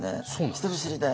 人見知りで。